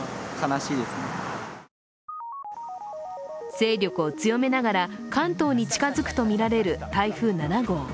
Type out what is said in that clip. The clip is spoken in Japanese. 勢力を強めながら、関東に近づくとみられる台風７号。